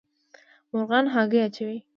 مرغان هګۍ اچوي